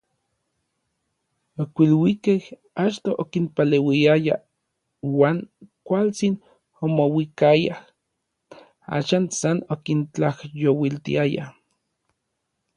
Okiluikej achto okinpaleuiaya uan kualtsin omouikayaj, Axan san okintlajyouiltiaya.